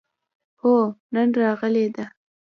هو، نن راغلې ده